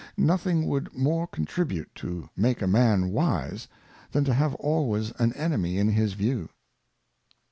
Nothing would more contribute to make a Man wise, than to have always an Enemy in his view.